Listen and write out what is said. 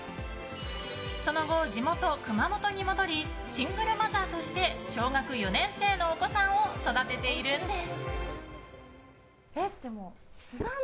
その後、地元・熊本に戻りシングルマザーとして小学４年生のお子さんを育てているんです。